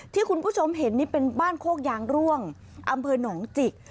ที่คุณผู้ชมเห็นนี่เป็นบ้านโคกยางร่วงอำเภอหนองจิก